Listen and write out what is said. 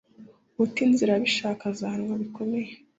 Uta inzira abishaka azahanwa bikomeye